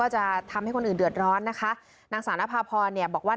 นางศาลพาพรบอกว่า